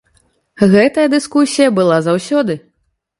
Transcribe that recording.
Гэтая дыскусія была заўсёды.